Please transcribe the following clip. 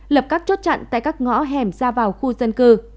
lập các chốt chặn tại các ngõ hẻm ra vào khu dân cư